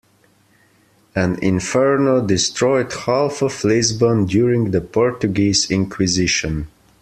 An inferno destroyed half of Lisbon during the Portuguese inquisition.